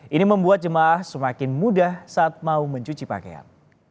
ini membuat jemaah semakin mudah saat mau mencuci pakaian